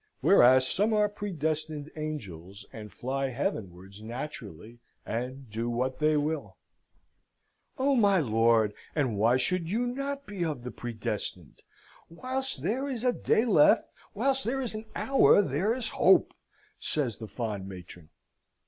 Whereas some are predestined angels, and fly Heavenwards naturally, and do what they will." "Oh, my lord, and why should you not be of the predestined? Whilst there is a day left whilst there is an hour there is hope!" says the fond matron.